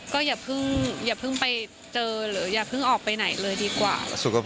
ก็อย่าเพิ่งไปเจอหรืออย่าเพิ่งออกไปไหนเลยดีกว่า